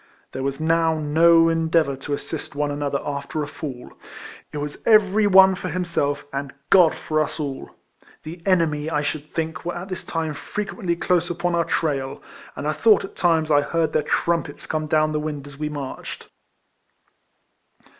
There was now no endeavour to assist one another after a fall; it was every one for himself, and God for us all ! The enemy, I should think, were at this time frequently close upon our trail ; and I thought at times I heard their trumpets come down the wind as we marched.